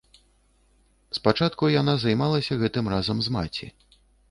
Спачатку яна займалася гэтым разам з маці.